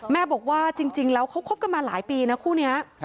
บอกว่าจริงแล้วเขาคบกันมาหลายปีนะคู่นี้